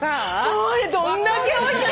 あれどんだけおいしいか。